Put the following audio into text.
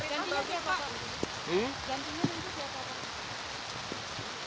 gantinya siapa pak